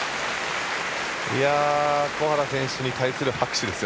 小原選手に対する拍手です。